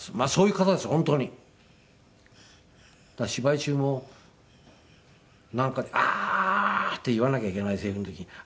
だから芝居中もなんか「ああー！」って言わなきゃいけないセリフの時「ああー！」。